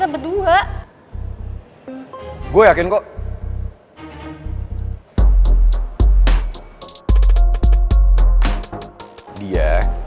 biar sekalian tuh lo jadi pahlawannya dia